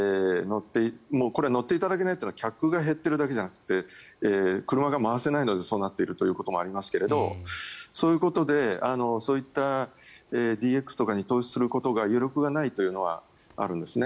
乗っていただけないというのは客が減っているだけじゃなくて車が回せないのでそうなっているということもありますがそういうことでそういったＤＸとかに投資する余力がないというのはあるんです。